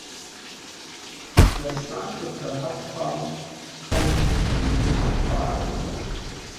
The son with the health problem benefited from the move to Florida.